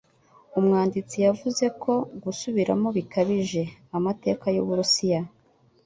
umwanditsi, yavuze ko "gusubiramo bikabije" amateka y'Uburusiya,